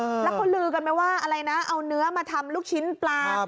แล้วคนลือกันไหมว่าเอาเนื้อมาทำลูกชิ้นปลา